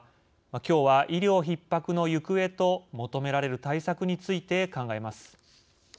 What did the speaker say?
きょうは医療ひっ迫の行方と求められる対策について考えます。